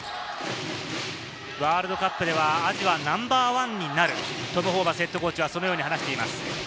ワールドカップではアジアナンバーワンになる、トム・ホーバスＨＣはそのように話しています。